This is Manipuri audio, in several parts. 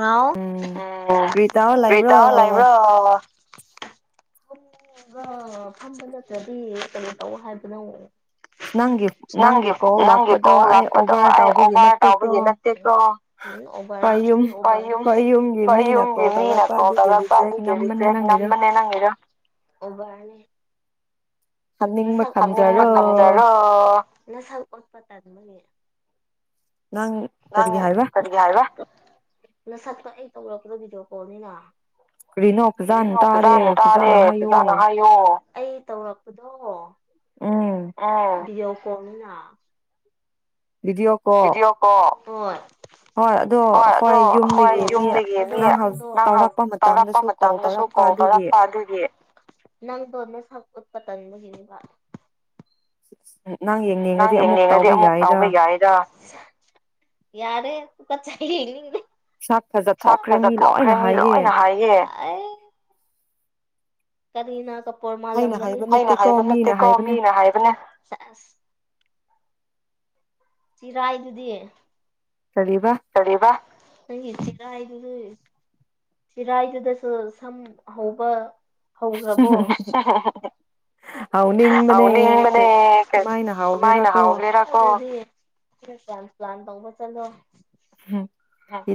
ꯍ ꯎ ꯔꯔꯤꯇꯥ ꯂꯥꯏꯕ꯭ꯔꯣ ꯐꯝꯕ ꯅꯠꯇ꯭ꯔꯗꯤ ꯀꯩꯅꯣ ꯇꯧ ꯍꯥꯏꯕꯅꯪ ꯅꯪꯒꯤ ꯅꯪꯒꯤ ꯀꯣꯜ ꯂꯥꯛꯄꯗꯣ ꯑꯩ ꯑꯣꯚꯔ ꯇꯥꯎꯕꯒꯤ ꯅꯠꯇꯦꯗꯣ ꯎꯝ ꯑꯣꯕꯔ ꯌꯨꯝ ꯃꯌꯨꯝꯒꯤ ꯃꯤꯅꯀꯣ ꯀꯜꯂꯛꯄ ꯑꯗꯨꯒꯤ ꯔꯤꯖꯦꯛ ꯅꯝꯕꯅꯦ ꯅꯪꯒꯤꯗꯝ ꯑꯣꯕꯅꯤ ꯅꯁ ꯎꯠꯄ ꯃꯅꯤ ꯍꯥꯏ ꯅ ꯁꯠꯄ ꯑꯩ ꯇꯧꯔꯛꯀꯗꯕꯤꯗꯣ ꯀꯣꯅꯤꯅ ꯀꯔꯤꯅꯣ ꯀꯔꯤꯅꯣ ꯐꯖꯥꯅ ꯇꯥꯔꯦ ꯐꯖꯥꯅ ꯍꯥꯏꯌꯣ ꯑꯩ ꯇꯧꯔꯛꯄꯗꯣ ꯑ ꯀꯅꯤꯅ ꯗꯤꯑꯣ ꯀꯣ ꯍꯣꯏ ꯑꯗꯣ ꯍꯣꯏ ꯌꯨꯝꯗꯒꯤꯗꯤ ꯅꯪ ꯇꯥꯎꯔꯛꯄ ꯃꯇꯝꯗꯁꯨ ꯀꯔꯛꯄ ꯑꯗꯨꯒꯤ ꯅꯪꯗꯣ ꯃꯁꯛ ꯎꯠꯄ ꯇꯟꯕꯒꯤꯅꯤꯡꯕ [inaudible] [inaudible] ꯅꯪ ꯌꯦꯡꯅꯤꯡꯉꯗꯤ ꯑꯃꯨꯛ ꯇꯥꯎꯕ ꯌꯥꯏꯗ ꯌꯥꯔꯦ ꯁꯥꯛ ꯐꯖꯠꯊꯣꯛꯈ꯭ꯔꯦ ꯃꯤ ꯂꯣꯏꯅ ꯍꯥꯏꯌꯦ ꯑꯩ ꯀꯔꯤꯅꯥ ꯒꯅꯤ ꯑꯩꯅ ꯍꯥꯏꯕ ꯅꯠꯇꯦꯀꯣ ꯃꯤꯅ ꯍꯥꯏꯕꯅꯦ ꯆꯤꯔꯥꯏꯗꯨꯗꯤ ꯀꯔꯤꯕꯥ ꯑꯗꯨ ꯆꯔꯥꯏꯗꯨꯗꯁꯨ ꯁꯝ ꯍꯧꯕ ꯍꯧꯈ꯭ꯔꯕꯣ ꯍꯅꯤꯡ ꯃꯅꯦ ꯀꯃꯥꯏꯅ ꯍꯥꯎꯒꯦꯔꯥꯀꯣ ꯐ꯭ꯂ ꯄ꯭ꯂꯥꯟ ꯇꯉꯕ ꯆꯠꯂꯣ ꯎꯝ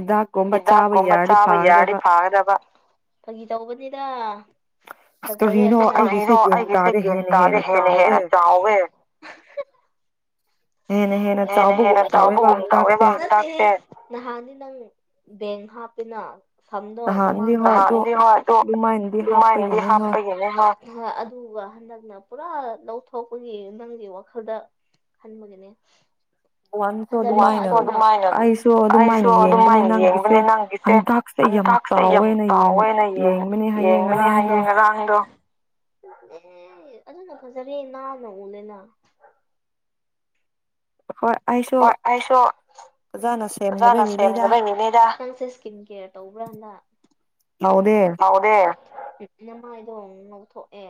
ꯍꯤꯗꯥꯛ ꯀꯣꯕ ꯆꯥꯕ ꯌꯥꯔꯗꯤ ꯐꯥꯒꯗꯕ ꯐꯥꯒꯤ ꯇꯧꯕꯅꯤꯗ ꯐ ꯀꯅꯣ ꯑꯩꯒꯤꯁꯦ ꯒꯤꯟ ꯇꯥꯗꯤꯦ ꯍꯦꯟꯅ ꯍꯦꯟꯅ ꯆꯥꯎꯋꯦ [unintelligible] ꯍꯦꯟꯅ ꯍꯦꯟꯅ ꯆꯥꯎꯕꯒꯨꯝ ꯇꯧꯋꯦꯕ ꯍꯛꯆꯥꯡꯁꯦ ꯍꯄꯤꯅꯥ ꯁꯝꯗꯣ ꯃꯃꯥꯡꯗ ꯍꯥꯡꯗꯤ ꯍꯣꯏ ꯑꯗꯣ ꯑꯗꯨꯃꯥꯏꯅꯗꯤ ꯍꯥꯞꯄꯒꯤꯅꯦ ꯍꯥꯏ ꯑꯗꯨꯒ ꯍꯟꯗꯛꯅ ꯄꯨꯔꯥ ꯂꯧꯊꯣꯛꯄꯒꯤ ꯅꯪꯒꯤ ꯋꯥꯈꯜꯗ ꯈꯟꯕꯒꯤꯅꯦ [unintelligible] ꯑꯗꯨꯃꯥꯏꯅ ꯑꯩꯁꯨ ꯑꯗꯨꯃꯥꯏꯅ ꯌꯦꯡꯕꯅꯦ ꯅꯪꯒꯤꯁꯦ ꯍꯟꯗꯛꯁꯦ ꯌꯥꯝ ꯆꯥꯎꯋꯦꯅ ꯌꯦꯡ ꯌꯦꯡꯕꯅꯦ ꯍꯥꯏꯌꯦ ꯉꯔꯥꯡꯗꯣ [unintelligible] ꯑꯗꯨꯅ ꯐꯖꯔꯦ ꯅꯥꯟꯅ ꯎꯅꯦꯅ ꯍꯣꯏ ꯑꯩꯁꯨ ꯑꯣꯖꯥꯅ ꯁꯦꯝꯗꯕꯩꯅꯤꯅꯦꯗ ꯅꯪꯁꯦ ꯏꯁꯀꯤꯟ ꯀꯦꯌꯔ ꯇꯧꯕ꯭ꯔꯥ ꯍꯟꯗꯛ ꯉꯥꯎꯗꯦ ꯏꯅ ꯃꯥꯏꯗꯣ ꯉꯧꯊꯣꯛꯑꯦ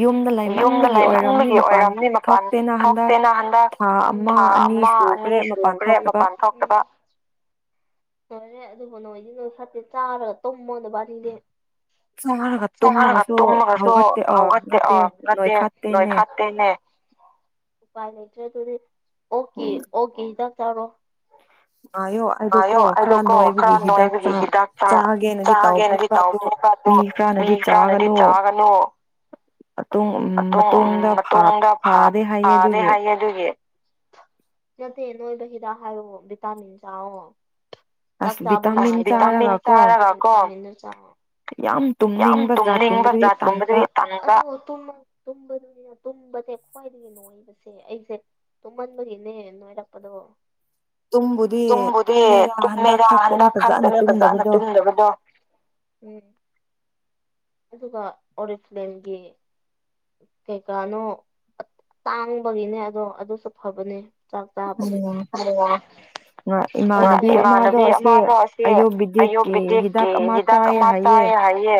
ꯌꯨꯝꯗ ꯂꯩꯃꯟꯕꯒꯤ ꯑꯣꯏꯔꯝꯅꯤ ꯃꯄꯥꯟ ꯊꯣꯛꯇꯦꯅ ꯍꯟꯗꯛ ꯊꯥ ꯑꯃ ꯑꯅꯤ ꯑꯅꯤ ꯁꯨꯈ꯭ꯔꯦ ꯃꯄꯥꯟ ꯊꯣꯛꯇꯕ [unintelligible] ꯑꯗꯨꯕꯨ ꯅꯣꯏꯗꯤ ꯅꯣꯏ ꯐꯠꯇꯦ ꯆꯥꯔꯒ ꯇꯨꯝꯃꯣ ꯅꯕꯅꯤꯗꯤ ꯆꯔꯒꯥ ꯇꯨꯝꯃꯒꯗꯨ ꯍꯧꯒꯠ ꯑꯣ ꯅꯠꯇꯦ ꯅꯣꯏꯈꯠꯇꯦꯅꯦ ꯎꯄꯥꯏ ꯂꯩꯇ꯭ꯔꯦ ꯑꯗꯨꯗꯤ ꯑꯣꯛꯀꯤ ꯑꯣꯛꯀꯤ ꯍꯤꯗꯥꯛ ꯆꯥꯔꯣ [inaudible] ꯑꯌꯣ ꯑꯩꯗꯣ ꯀꯣ ꯈꯔ ꯅꯣꯏꯕꯒꯤ ꯍꯤꯗꯥꯛ ꯆꯥꯒꯦꯅꯗꯤ ꯇꯥꯎꯕꯅꯦꯕ ꯑꯗꯨ ꯃꯤ ꯈꯔꯅꯗꯤ ꯆꯥꯒꯅꯨ ꯃꯇꯨꯡ ꯃꯇꯨꯡꯗ ꯐꯥꯗꯦ ꯍꯥꯏꯌꯦ ꯑꯗꯨꯒꯤ ꯅꯠꯇꯦ ꯅꯣꯏꯕ ꯍꯤꯗꯥꯛ ꯍꯥꯏꯕꯕꯨ ꯕꯤꯇꯥꯃꯤꯟ ꯆꯥꯎꯑꯣ ꯆꯥꯛ ꯆꯥꯕ [unintelligible] ꯆꯥꯛꯃꯤꯟ ꯆꯥꯔꯒꯀꯣ ꯌꯥꯝ ꯇꯨꯝꯅꯤꯡꯕ ꯖꯥꯠꯀꯨꯝꯕꯗꯗꯤ ꯇꯟꯕ ꯑꯗꯨꯒ ꯇꯨꯝꯃꯣ ꯇꯨꯝꯕꯗꯨꯅꯤꯅ ꯇꯨꯝꯕꯁꯦ ꯈ꯭ꯋꯥꯏꯗꯒꯤ ꯅꯣꯏꯕꯁꯦ ꯑꯩꯁꯦ ꯇꯨꯝꯃꯟꯕꯒꯤꯅꯦ ꯅꯣꯏꯔꯛꯄꯗꯣ ꯇꯨꯝꯕꯨꯗꯤ ꯇꯨꯝꯃꯦꯗ ꯍꯟꯗꯛ ꯈꯛꯇꯅꯦ ꯐꯖꯅ ꯇꯨꯝꯗꯕꯗꯣ ꯎꯝ ꯑꯗꯨꯒ ꯑꯣꯔꯤꯐꯂꯦꯝꯒꯤ ꯀꯩꯀꯥꯅꯣ ꯑꯇꯥꯡꯕꯒꯤꯅꯦ ꯑꯗꯣ ꯑꯗꯨꯁꯨ ꯐꯕꯅꯦ ꯆꯥꯛ ꯆꯕꯒꯤ [unintelligible] ꯏꯃꯥꯟꯅꯕꯤ ꯑꯃꯗ ꯑꯁꯦ ꯑꯌꯨꯛ ꯕꯤꯗꯤꯛꯀꯤ ꯍꯤꯗꯥꯛ ꯑꯃ ꯆꯥꯏ ꯍꯥꯏꯌꯦ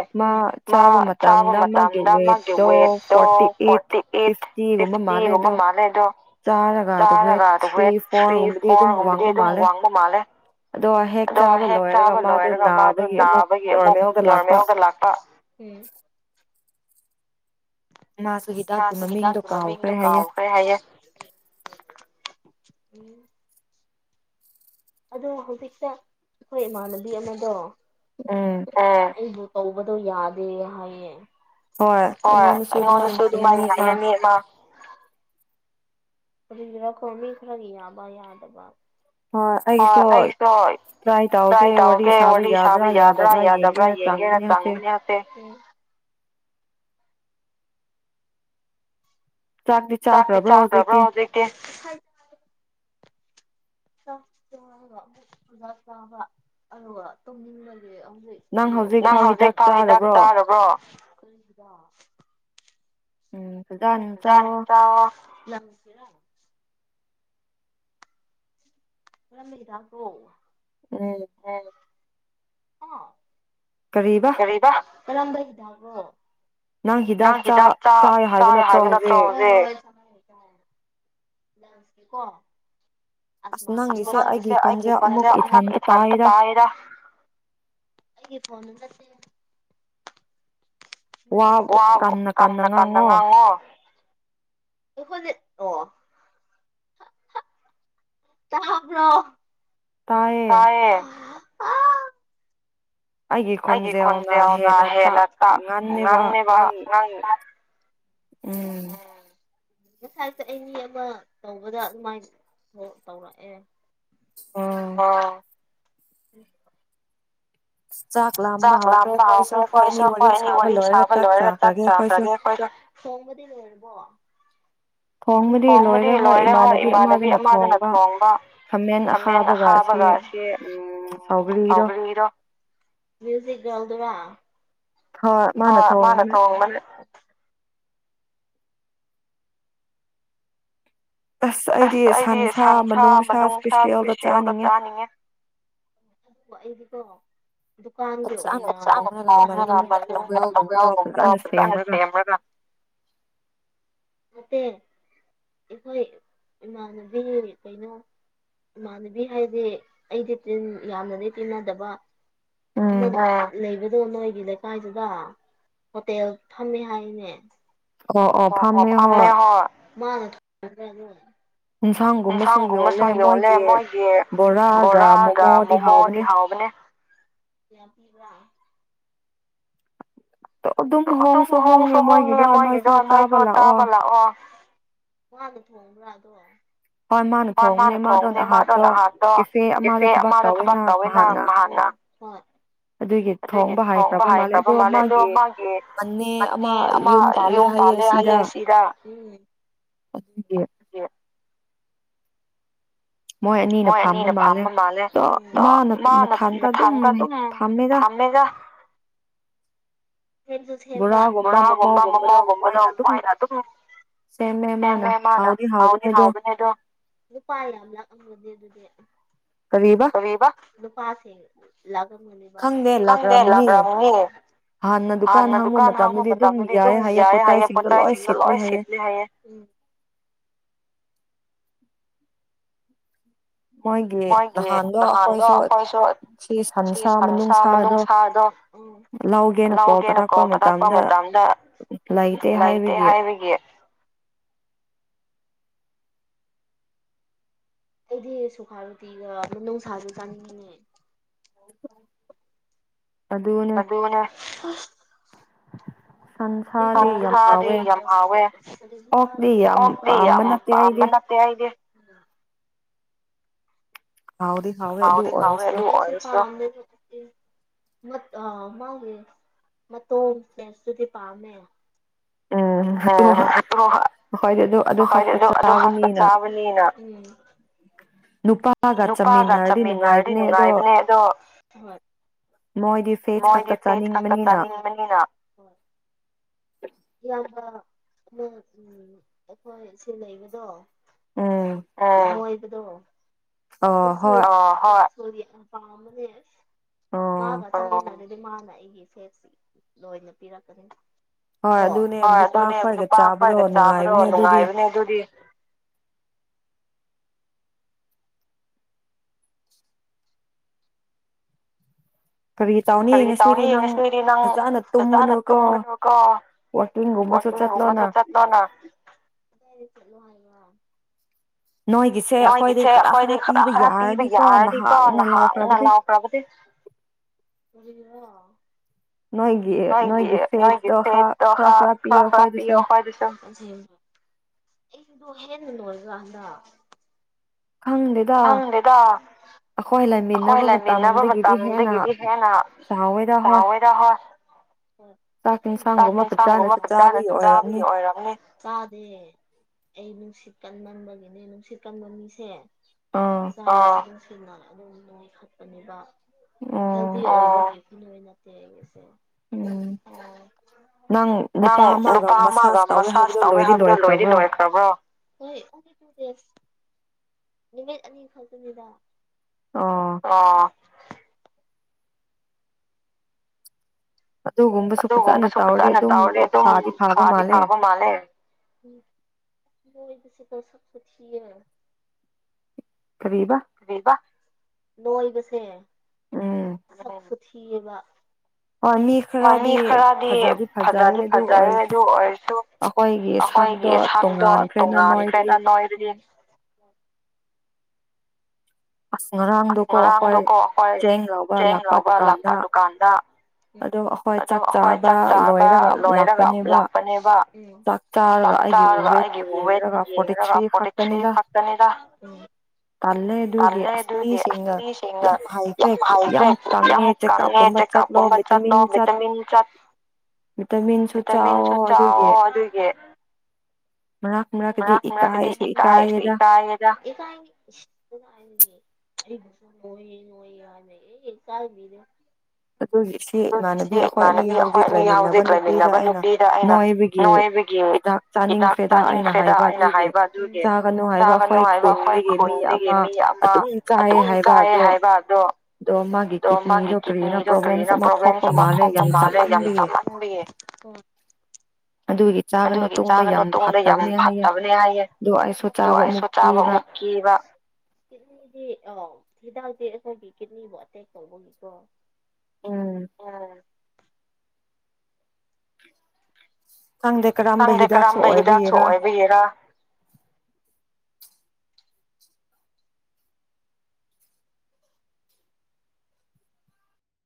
ꯃꯥ ꯆꯥꯕ ꯃꯇꯝꯗ ꯃꯥꯒꯤ ꯋꯦꯠ ꯗꯣ ꯐꯣꯔꯇꯤ ꯑꯩꯠ ꯐꯤꯐꯇꯤꯒꯨꯝꯕ ꯃꯥꯜꯂꯦ ꯑꯗꯣ ꯆꯥꯔꯒ ꯑꯗꯣ ꯋꯦꯠ ꯊ꯭ꯔꯤ ꯐꯣꯔꯒꯨꯝꯕꯗꯤ ꯑꯗꯨꯝ ꯋꯥꯡꯕ ꯃꯥꯜꯂꯦ ꯑꯗꯣ ꯍꯦꯛ ꯆꯥꯕ ꯂꯣꯏꯔꯒ ꯃꯥꯗꯨ ꯅꯥꯕꯒꯤ ꯑꯃꯨꯛ ꯅꯣꯔꯃꯦꯝꯗ ꯂꯥꯛꯄ ꯎꯝ [unintelligible] ꯃꯥꯁꯨ ꯍꯤꯗꯥꯛꯇꯨ ꯃꯃꯤꯡꯗꯣ ꯀꯥꯎꯈ꯭ꯔꯦ ꯍꯥꯏꯌꯦ [inaudible] [unintelligible] ꯑꯗꯣ ꯍꯧꯖꯤꯛꯇ ꯑꯩꯈꯣꯏ ꯏꯃꯥꯟꯅꯕꯤ ꯑꯃꯗꯣ ꯑꯩꯕꯨ ꯇꯧꯕꯗꯣ ꯌꯥꯗꯦ ꯍꯥꯏꯌꯦ ꯍꯣꯏ ꯑꯩꯉꯣꯟꯗꯁꯨ ꯑꯗꯨꯃꯥꯏꯅ ꯍꯥꯏꯌꯦ ꯃꯤ ꯑꯃ ꯑꯗꯨꯗꯨꯅꯀꯣ ꯃꯤ ꯈꯔꯒꯤ ꯌꯥꯕ ꯌꯥꯗꯕ ꯍꯣꯏ ꯑꯩꯁꯨ ꯇ꯭ꯔꯥꯏ ꯇꯧꯒꯦ ꯋꯥꯔꯤ ꯁꯥꯕ ꯌꯥꯕ꯭ꯔꯥ ꯌꯥꯗꯕ꯭ꯔꯥ ꯌꯦꯡꯒꯦꯅ ꯆꯪꯕꯅꯦ ꯍꯥꯗꯦ ꯆꯥꯛꯇꯤ ꯆꯥꯈ꯭ꯔꯕ꯭ꯔꯥ ꯍꯧꯖꯤꯛꯇꯤ ꯆꯥꯛ ꯆꯥꯔꯒ ꯑꯃꯨꯛ ꯄꯨꯖꯥ ꯆꯥꯕ ꯑꯗꯨꯒ ꯇꯨꯝꯅꯤꯡꯕꯩ [unintelligible] ꯅꯪ ꯍꯧꯖꯤꯛ ꯐꯥꯎ ꯍꯤꯗꯥꯛ ꯆꯥꯔꯕ꯭ꯔꯣ ꯀꯔꯤ ꯍꯤꯗꯥꯛ [unintelligible] ꯌꯥꯝꯁꯤꯔ ꯀꯔꯝꯕ ꯍꯤꯗꯥꯛꯅꯣ ꯎꯝ ꯑ ꯀꯔꯤꯗ ꯀꯔꯝꯕꯔꯗꯕꯣ ꯅꯪ ꯍꯤꯗꯥꯛ ꯆꯥꯏ ꯍꯥꯏꯕ ꯅꯠꯇ꯭ꯔꯣ ꯍꯧꯖꯤꯛ ꯀꯣ ꯑ ꯑꯉꯥꯡꯒꯤꯁꯦ ꯑꯩꯒꯤ ꯈꯨꯣꯟꯁꯦ ꯑꯃꯨꯛ ꯏꯊꯟꯇ ꯇꯥꯏꯔ ꯑꯩꯒꯤ ꯐꯅꯅ ꯋꯥ ꯀꯅ ꯀꯟꯅ ꯉꯥꯡꯉꯣ ꯈꯣꯏꯅ ꯑꯣ ꯕ꯭ꯔꯣ ꯇꯥꯏꯌꯦ ꯑꯩꯒꯤ ꯈꯣꯟꯗꯦꯅ ꯍꯦꯂ ꯇ ꯉꯟꯅꯦꯕ ꯉꯪ ꯑ ꯉꯁꯥ ꯆꯠꯏ ꯃꯤ ꯑꯃ ꯇꯧꯕꯗ ꯑꯗꯨꯃꯥꯏ ꯇꯧꯔꯛꯑꯦ ꯎꯝ ꯆꯥꯛ ꯂꯥꯝꯕ ꯍꯧꯈ꯭ꯔꯦ ꯑꯩꯈꯣꯏꯁꯨ ꯑꯩꯈꯣꯏ ꯑꯦꯅꯤ ꯋꯥꯔꯤ ꯁꯥꯕ ꯂꯣꯏꯔꯒ ꯆꯥꯛ ꯆꯥꯈ꯭ꯔꯒꯦ ꯑꯩꯈꯣꯏꯁꯨ ꯁꯣꯝꯕꯗꯤꯅ ꯑꯣꯏꯔꯔꯕꯣ ꯊꯣꯡꯕꯗꯤ ꯂꯣꯏꯔꯦ ꯍꯣꯏ ꯏꯃꯥꯟꯅꯕꯤ ꯑꯃꯗꯨꯅ ꯊꯣꯡꯕ ꯈꯥꯃꯦꯟ ꯑꯁꯥꯕꯒ ꯑꯁꯤ ꯎꯝ ꯁꯥꯎꯒ꯭ꯔꯤꯗꯣ ꯅ ꯊ [unintelligible] ꯑꯁ ꯑꯩꯗꯤ ꯁꯟꯁꯥ ꯃꯅꯨꯡꯁ ꯏꯁꯄꯤꯁꯤꯦꯜꯒ ꯆꯥꯅꯤꯡꯉꯦ ꯏꯗꯤꯀ [unintelligible] ꯗꯨꯀꯥꯟꯒꯤ ꯑꯣꯏꯅ ꯆ ꯈ ꯑꯎꯕꯥꯎ ꯐꯖꯅ ꯁꯦꯝꯃꯒ [unintelligible] ꯅꯠꯇꯦ ꯑꯩꯈꯣꯏ ꯏꯃꯥꯟꯅꯕꯤ ꯀꯩꯅꯣ ꯏꯃꯥꯟꯅꯕꯤ ꯍꯥꯏꯗꯤꯦ ꯑꯩꯗꯤ ꯇꯤꯟ ꯌꯥꯝꯅꯗꯤ ꯇꯤꯟꯅꯗꯕ ꯑꯃ ꯂꯩꯕꯗꯨ ꯑꯃ ꯂꯩꯀꯥꯏꯗꯨ ꯍꯣꯇꯦꯜ ꯐꯝꯃꯦ ꯍꯥꯏꯅꯦ ꯐꯥꯝꯃꯦ ꯍꯣꯏ ꯏꯤꯡꯐꯥꯡꯒꯨꯝꯕꯁꯨ ꯌꯣꯜꯂꯦ ꯃꯣꯏꯒꯤ ꯕꯣꯔꯥꯒ ꯃꯣꯃꯣꯗꯤ ꯍꯥꯎꯕꯅꯤ ꯌꯥ ꯄꯤꯕ꯭ꯔ ꯑꯗꯨꯝ ꯍꯣꯡꯁꯨ ꯍꯣꯡꯉꯦ ꯃꯣꯏꯒꯤꯗꯣ ꯅꯣꯏꯁꯨ ꯆꯥꯕ ꯂꯥꯛꯑꯣ ꯋꯥ ꯑꯗꯨ ꯊ꯭ꯔꯥ ꯑꯗꯨꯣ ꯍꯣꯏ ꯃꯥꯅ ꯊꯣꯡꯅꯦ ꯃꯥꯗꯣ ꯅꯍꯥꯟꯗꯣ ꯀꯁꯦ ꯑꯃꯗꯣ ꯊꯕꯛ ꯇꯧꯋꯦꯅ ꯅꯍꯥꯟꯅ ꯑꯗꯨꯒꯤ ꯊꯣꯡꯕ ꯍꯥꯏꯈ꯭ꯔꯕ ꯃꯥꯜꯂꯦ ꯑꯗꯣ ꯃꯥꯒꯤ ꯃꯅꯦ ꯑꯃ ꯌꯣ ꯄꯥꯂꯦ ꯍꯥꯏꯌꯦ ꯁꯤꯤꯗꯥ ꯎ ꯍꯦ ꯃꯣꯏ ꯑꯅꯤꯅ ꯐꯥꯝꯕ ꯃꯥꯜꯂꯦ ꯑꯗꯣ ꯃꯥꯅ ꯃꯊꯥꯡꯗ ꯑꯗꯨꯝ ꯐꯝꯃꯦ ꯋꯥ [unintelligible] ꯁꯨꯕ ꯕꯣꯔꯥꯒꯨꯝꯕ ꯃꯃꯥꯎꯒꯨꯝꯕꯗ ꯋꯥꯏꯅ ꯑꯗꯨꯝ ꯁꯦꯝꯃꯦ ꯃꯥꯅ ꯍꯥꯎꯗꯤ ꯍꯥꯎꯕꯅꯦ ꯑꯗꯣ ꯅꯨꯄꯥ ꯌꯥꯝ ꯂꯥꯛꯑꯒꯅꯦ ꯑꯗꯨꯗꯤ ꯀꯔꯤꯕ ꯅꯨꯄꯥꯁꯦ ꯂꯥꯛꯂꯝꯝꯒꯅꯦꯕ ꯈꯪꯗꯦ ꯂꯥꯛꯅꯤ ꯍꯥꯟꯅ ꯗꯨꯀꯥꯟ ꯍꯥꯡꯕ ꯃꯇꯝꯗꯗꯤ ꯑꯗꯨꯝ ꯌꯥꯏ ꯍꯥꯏꯌꯦ ꯄꯣꯠꯆꯁꯤꯡꯗꯣ ꯂꯣꯏ ꯁꯤꯦꯠꯂꯦ ꯍꯥꯏꯌꯦꯦ ꯎꯝ [unintelligible] ꯃꯣꯏꯒꯦ ꯅꯍꯥꯟꯗ ꯀꯣꯏꯁꯨ ꯁꯤ ꯁꯟꯁꯥ ꯃꯅꯨꯡꯁꯗꯣ ꯂꯧꯒꯦꯅꯀꯣ ꯄꯔꯥꯛꯄ ꯃꯇꯝꯗ ꯂꯩꯥꯏꯇꯦ ꯍꯥꯏꯕꯒꯤ ꯑꯩꯗꯤ ꯁꯨꯈꯥꯔꯨ ꯇꯤꯔ ꯑꯗꯨ ꯅꯨꯡꯁꯥꯁꯨ ꯆꯥꯅꯤꯡꯉꯅꯦ ꯑꯗꯒꯅ ꯑ ꯗꯤ ꯌꯥꯝ ꯍꯥꯎꯋꯦ ꯑꯣꯗꯤ ꯑꯃꯅꯠꯇꯦꯏꯗ ꯍꯥꯎꯗꯤ ꯍꯥꯎ ꯑꯗꯨ ꯑꯗꯨ ꯑ ꯃꯥꯒꯤꯦ ꯃꯇꯣ ꯄꯦꯁꯇꯨꯗꯤ ꯄꯥꯝꯃꯦ ꯑ ꯎ ꯑꯗꯨꯣꯏꯗꯤ ꯑꯗꯨ ꯑꯗꯨ ꯍꯥꯛꯛꯇ ꯆꯥꯕꯅꯤꯅ [inaudible] ꯅꯨꯄꯥꯒ ꯆꯥꯃꯤꯟꯅꯔꯗꯤ ꯅꯨꯡꯉꯥꯏꯕꯅꯦ ꯑꯗꯣ ꯃꯣꯏꯗꯤ ꯐꯦꯁ ꯈꯛꯇ ꯆꯥꯅꯤꯡꯕꯅꯤꯅ ꯌꯥ ꯍ ꯎꯝ ꯑꯩꯈꯣꯏ ꯁꯤ ꯂꯩꯕꯗꯣ ꯗꯣꯅꯦ ꯃꯥꯒ ꯑꯗꯨꯗꯤ ꯃꯥꯅ ꯑꯩꯒꯤ ꯁꯦꯁꯤ ꯂꯣꯏꯅ ꯄꯤꯔꯛꯀꯅꯤ ꯎ ꯍꯣꯏ ꯑꯗꯨꯅꯦ ꯅꯨꯄꯥ ꯑꯩꯈꯣꯏꯒ ꯆꯥꯕꯗꯣ ꯅꯨꯡꯉꯥꯏꯕꯅꯦ ꯑꯗꯨꯗꯤ [inaudible] ꯀꯔꯤ ꯇꯥꯎꯅ ꯌꯦꯡꯉꯁꯅꯗꯤ ꯅꯪ ꯐꯖꯅ ꯇꯨꯝꯒꯅꯦꯕꯀꯣ ꯋꯥꯃ ꯁ ꯆ ꯂꯣ ꯅꯣꯏꯒꯤꯁꯦ ꯑꯩꯈꯣꯏꯗꯤ ꯈꯔ ꯈꯔ ꯄꯤꯕ ꯌꯥꯔꯅꯤꯀꯣ ꯅꯍꯥꯟꯅ ꯂꯥꯎꯈ꯭ꯔꯕꯗꯤ ꯎꯝ ꯅꯣꯏ ꯅꯣꯏ ꯒꯤꯐꯦꯗ ꯈꯥ ꯈꯔ ꯈꯔ ꯄꯌ ꯍ ꯑꯗꯨꯁ [inaudible] ꯗꯣ ꯍꯦꯟꯅ ꯂꯣꯏꯔꯀ ꯍꯗ ꯍꯪꯗꯦꯗ ꯑꯩꯈꯣꯏ ꯂꯩꯃꯤꯟꯅꯕ ꯃꯇꯝꯗꯒꯤꯗꯤ ꯍꯦꯟꯅ ꯆꯥꯎꯋꯦꯔ ꯍꯣꯏ ꯎꯝ ꯆꯥꯛ ꯏꯟꯁꯥꯡꯒꯨꯝꯕ ꯐꯛ ꯆꯥꯅꯁꯨ ꯆꯥꯕꯒꯤ ꯑꯣꯏꯔꯕꯅꯦ ꯑꯩ ꯅꯨꯡꯁꯤꯠ ꯀꯟ ꯅꯕꯒꯤꯅꯦ ꯅꯨꯡꯁꯤꯠ ꯀꯟꯕ ꯃꯤꯁꯦ ꯁꯦꯡꯅ ꯑꯗꯨꯝ ꯅꯈꯠꯄꯅꯦꯕ ꯍꯦꯜꯗꯤ ꯑꯣꯏꯣꯏ ꯅꯠꯇꯦ ꯑꯩꯒꯤꯁꯦ ꯎꯝ ꯅꯪ ꯅꯨꯄꯥ ꯑꯃꯒ ꯃꯁꯥꯁ ꯇꯧꯋꯦ ꯍꯥꯏꯕꯗꯣ ꯂꯣꯏꯗꯤ ꯂꯣꯏꯈ꯭ꯔꯕ꯭ꯔꯣ ꯍꯣꯏ ꯅꯨꯃꯤꯠ ꯑꯅꯤ ꯈꯛꯇꯅꯤꯗ ꯑꯗꯨꯒꯨꯝꯕꯁꯨ ꯐꯖꯅ ꯆꯥꯎꯔꯦ ꯑꯗꯨꯝ ꯐꯥꯗꯤ ꯐꯥꯕ ꯃꯥꯜꯂꯦ ꯎꯝ ꯃꯣꯏꯗꯁꯀ ꯁꯁꯣ ꯊꯤꯦ ꯀꯕꯤꯕ ꯅꯣꯏꯕꯁꯦ ꯑ ꯄꯨꯕꯨꯊꯤꯑꯕ ꯃꯃꯤ ꯈꯔꯗꯤ ꯐꯖꯗꯤ ꯐꯖꯔꯦ ꯑꯗꯨ ꯑꯣꯏꯔꯁꯨ ꯑꯩꯈꯣꯏꯒꯤ ꯁꯛꯛꯇꯣ ꯇꯣꯡꯉꯥꯟꯈ꯭ꯔꯦꯅ ꯅꯣꯏꯔꯤ ꯑ ꯉꯔꯥꯡꯗꯨꯀꯣ ꯑꯩꯈꯣꯏ ꯆꯦꯡ ꯂꯥꯎꯧꯕ ꯂꯥꯛꯄ ꯗꯨꯀꯥꯟꯗ ꯑꯣ ꯑꯩꯈꯣꯏ ꯆꯥꯛ ꯆꯥꯕ ꯂꯣꯏꯔꯒ ꯂꯥꯛꯄꯅꯦꯕ ꯆꯥꯛ ꯆꯥꯔꯒ ꯑꯩꯒꯤꯋꯦꯠꯔꯒ ꯐꯣꯔꯇꯤ ꯊ꯭ꯔꯤ ꯍꯥꯛꯇꯅꯤꯗ ꯀꯜꯂꯦ ꯑꯗꯨꯒꯤ ꯑꯅꯤꯁꯤꯡꯅ ꯌꯥꯝ ꯍꯥꯏꯐꯦ ꯌꯥꯝ ꯀꯪꯉꯦ ꯆꯦꯛꯀꯞꯀꯨꯝꯕ ꯆ ꯂꯣ ꯕꯤꯇꯃꯤꯤꯟ ꯆꯠ ꯚꯤꯇꯥꯃꯤꯟꯁꯨ ꯆꯥꯎꯥꯛꯑꯣ ꯑꯗꯨꯒꯤ ꯃꯅꯥ ꯃꯅꯥ ꯀꯗꯤ ꯏꯀꯥ ꯍꯥꯏꯁꯨ ꯏꯀꯥ ꯍꯥꯏꯗ ꯌꯥ ꯆ ꯃꯤꯔ ꯑꯗꯨ ꯁꯤ ꯏꯃꯥꯟꯅꯕꯤ ꯑꯩꯈꯣꯏ ꯑꯅꯤ ꯍꯧꯖꯤꯛ ꯂꯩꯃꯤꯟꯅꯕ ꯅꯨꯄꯤꯗ ꯑꯩꯅ ꯅ ꯑꯗꯨꯒꯤ ꯍꯤꯗꯥꯛ ꯆꯥꯅꯤꯡꯈ꯭ꯔꯦꯗ ꯑꯩꯅ ꯍꯥꯏꯕ ꯑꯗꯨꯒꯤ ꯆꯥꯒꯅꯨ ꯍꯥꯏꯕ ꯑꯩꯈꯣꯏ ꯈꯨꯟ ꯑꯗꯒꯤ ꯃꯤ ꯑꯃ ꯑꯗꯨꯝ ꯀꯥꯏ ꯍꯥꯏꯕ ꯑꯗꯣ ꯑꯗꯣ ꯃꯥꯒꯤ ꯀꯤꯅꯤꯗ ꯁꯔꯤꯅ ꯄꯣꯂꯦꯝꯁ ꯃ ꯍ ꯃꯥꯔꯦꯒꯇ ꯃꯕꯤ ꯑꯗꯨꯒꯤ ꯆꯥꯒꯅꯨ ꯇꯨꯡꯗ ꯌꯥꯝ ꯐꯠꯇꯕꯅꯦ ꯍꯥꯏꯌꯦ ꯑꯗꯨꯋꯥꯏꯁꯨ ꯆꯥꯕ ꯑꯃꯨꯛ ꯀꯤꯕ ꯑ ꯍꯤꯗꯎꯗꯤ ꯑꯩꯈꯣꯏꯒꯤ ꯀꯤꯠꯅꯤꯕꯨ ꯑꯦꯇꯦꯛ ꯇꯧꯕꯒꯤꯀꯣ ꯑꯥ ꯈꯪꯗꯦ ꯀꯔꯝꯗ ꯍꯤꯗꯥꯛꯁꯨ ꯑꯣꯏꯕꯒꯦꯔꯥ